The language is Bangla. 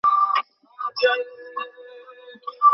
আল্লাহর কসম করে বলছি, আমি কখনো তাকে আমার শির পদানত করতে দিব না।